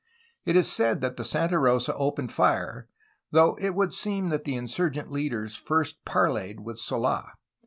It is said that the Santa Rosa opened fire, though it would seem that the insurgent leaders first parleyed with Sold.